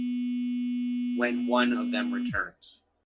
When one of them returns